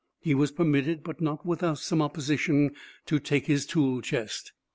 He was permitted, but not without some opposition, to take his tool chest.